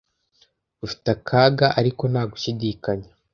ufite akaga ariko nta gushidikanya